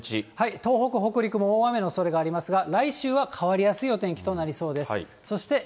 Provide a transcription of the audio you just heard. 東北、北陸も大雨のおそれがありますが、来週は変わりやすいお天気となりそうです。